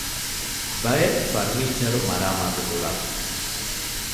ބައެއް ފަރުނީޗަރު މަރާމާތު ކުރަން